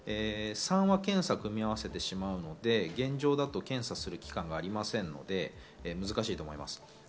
３は検査で組み合わせてしまうので、現状では検査する期間がないので難しいと思います。